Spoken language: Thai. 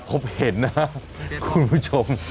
พบเห็นนะครับคุณผู้ชม